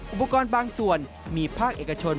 อุปกรณ์บางส่วนมีภาคเอกชน